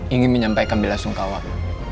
ingin menyampaikan bilasung kawak